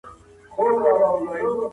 رښتينی انسان د بېوزلو سره مرسته کوي.